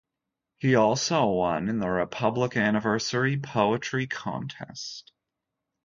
He also won in the Republic Anniversary Poetry Contest.